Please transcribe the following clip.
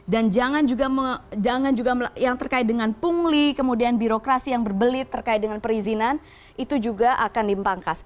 dan jangan juga yang terkait dengan pungli kemudian birokrasi yang berbelit terkait dengan perizinan itu juga akan dipangkas